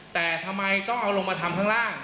แต่ทำไมต้องเอาลงมาทำข้างล่าง